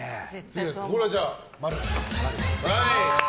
これはじゃあ、○？